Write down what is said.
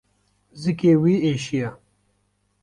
Zikê wî êşiya.